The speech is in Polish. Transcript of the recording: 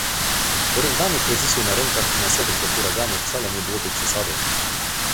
Porównanie kryzysu na rynkach finansowych do huraganu wcale nie byłoby przesadą